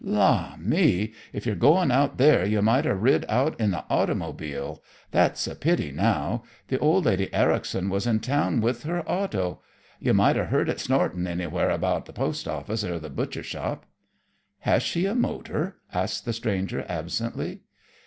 "La, me! If you're goin' out there you might 'a' rid out in the automobile. That's a pity, now. The Old Lady Ericson was in town with her auto. You might 'a' heard it snortin' anywhere about the post office er the butcher shop." "Has she a motor?" asked the stranger absently.